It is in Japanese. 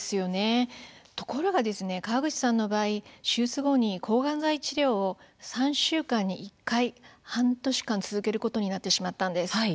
ところが川口さんの場合手術後に抗がん剤治療を３週間に１回、半年間続けることになってしまったんです。